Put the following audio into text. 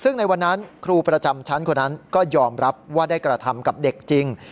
ซึ่งในวันนั้นครูประจำชั้นคนนั้นก็ยอมรับว่าได้กระทำกับเด็กจริง